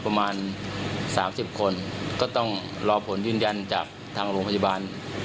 ประมาณ๓๐คนก็ต้องรอผลยืนยันจากทางโรงพยาบาล